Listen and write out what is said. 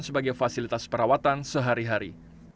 sebagai fasilitas perawatan sehari hari